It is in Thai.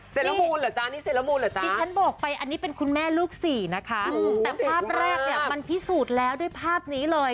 เสร็จแล้วมูลเหรอจ๊ะอันนี้เสร็จแล้วมูลเหรอจ๊ะที่ฉันบอกไปอันนี้เป็นคุณแม่ลูกสี่นะคะโอ้โหเด็กมากแต่ภาพแรกเนี้ยมันพิสูจน์แล้วด้วยภาพนี้เลย